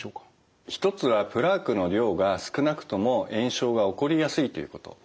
一つはプラークの量が少なくとも炎症が起こりやすいということ。